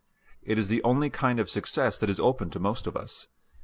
It is the only kind of success that is open to most of us.